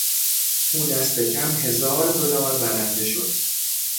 او دست کم هزار دلار برنده شد.